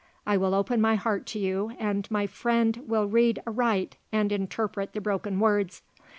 I will open my heart to you and my friend will read aright and interpret the broken words.